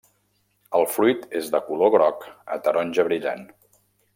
El fruit és de color groc a taronja brillant.